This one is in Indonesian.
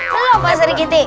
belum pak srikity